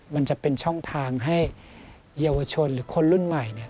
มันจะเป็นช่องทางให้เยาวชนหรือคนรุ่นใหม่เนี่ย